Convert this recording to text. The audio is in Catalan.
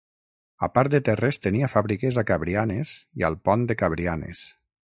A part de terres tenia fàbriques a Cabrianes i al Pont de Cabrianes.